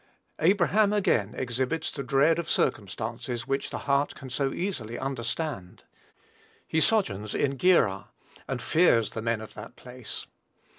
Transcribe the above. Abraham again exhibits the dread of circumstances which the heart can so easily understand. He sojourns in Gerar, and fears the men of that place.